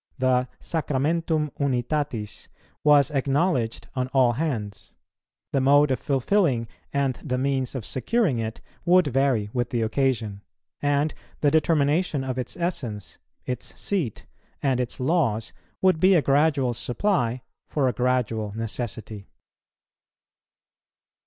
The Sacramentum Unitatis was acknowledged on all hands; the mode of fulfilling and the means of securing it would vary with the occasion; and the determination of its essence, its seat, and its laws would be a gradual supply for a gradual necessity.